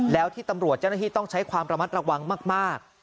แล้วที่ตำรวจเจ้าหน้าที่ต้องใช้ความระมัดระวังมาก